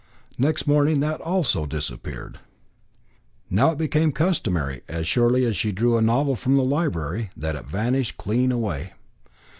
Next morning that also had disappeared. It now became customary, as surely as she drew a novel from the library, that it vanished clean away.